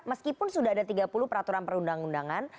meskipun sudah ada tiga puluh peraturan perundang undangan